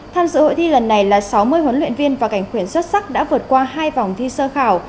tham dự hội thi lần này là sáu mươi huấn luyện viên và cảnh khuyển xuất sắc đã vượt qua hai vòng thi sơ khảo